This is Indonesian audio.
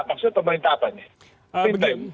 maksudnya pemerintah apa ini